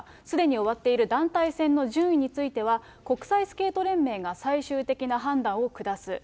すでに終わっている団体戦の順位については、国際スケート連盟が最終的な判断を下す。